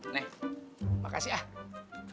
nih makasih ah